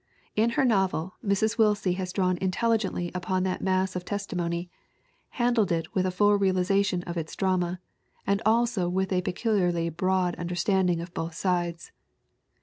In her novel Mrs. Willsie has drawn intelligently upon that mass of testimony, handled it with a full realiza tion of its drama, and also with a peculiarly broad understanding of both sides."